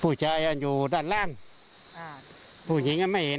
ผู้ชายอยู่ด้านล่างผู้หญิงก็ไม่เห็น